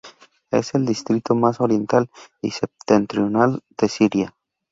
Es el distrito más oriental y septentrional de Siria.